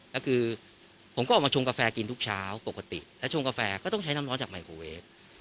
แล้วคือผมก็ออกมาชงกาแฟกินทุกเช้าปกติแล้วชงกาแฟก็ต้องใช้น้ำร้อนจากไมโครเวฟ